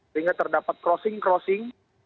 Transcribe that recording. sehingga terdapat crossing crossing